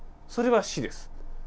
それは死です。